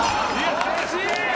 惜しい！